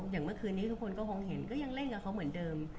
อย่างเมื่อคืนนี้ทุกคนก็คงเห็นก็ยังเล่นกับเขาเหมือนเดิม